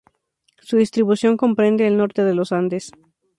Su distribución comprende el norte de los Andes.